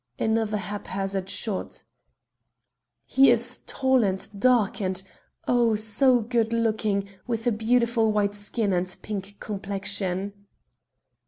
Another haphazard shot. "He is tall and dark, and, oh! so good looking, with a beautifully white skin and a pink complexion."